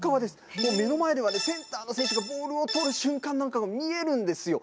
これ目の前ではセンターの選手がボールを捕る瞬間なんかが見えるんですよ。